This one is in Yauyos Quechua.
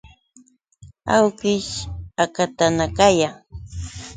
Awkish hakatanakayan.